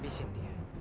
kita harus tahu